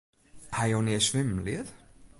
Ha jo nea swimmen leard?